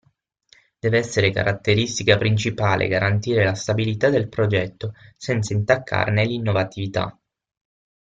Deve essere caratteristica principale garantire la stabilità del progetto senza intaccarne l'innovatività.